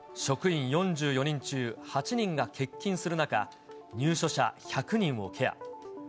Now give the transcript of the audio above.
職員４４人中８人が欠勤する中、入所者１００人をケア。